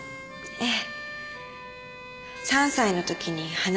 ええ